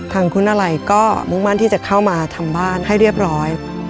ทางคุณอะไรก็มุ่งมั่นที่จะเข้ามาทำบ้านให้เรียบร้อย